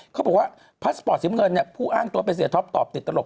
เขาบอกว่าพาสปอร์ตสีมเงินเนี่ยผู้อ้างตัวเป็นเสียท็อปตอบติดตลก